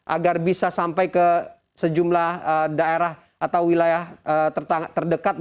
agar bisa sampai ke sejumlah daerah atau wilayah terdekat